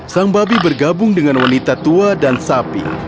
sang babi bergabung dengan wanita tua dan sapi